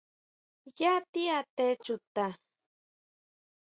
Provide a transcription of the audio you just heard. ¿Yá tíʼate chuta?